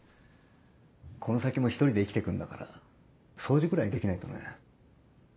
この先も１人で生きてくんだから掃除くらいできないとね。